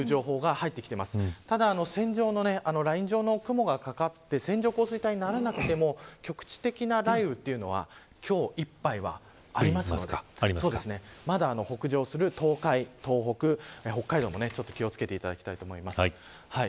ただ線状の、ライン状の雲がかかって線状降水帯にはならなくても局地的な雷雨というのは今日いっぱいは、ありますのでまだ北上する東海、東北北海道も気を付けていただきたいです。